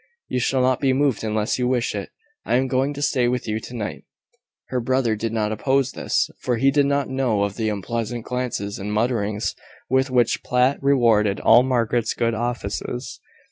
"You shall not be moved unless you wish it. I am going to stay with you to night." Her brother did not oppose this, for he did not know of the unpleasant glances and mutterings, with which Platt rewarded all Margaret's good offices.